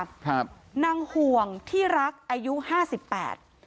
ครับนางห่วงที่รักอายุห้าสิบแปด